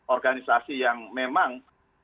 organisasi yang memang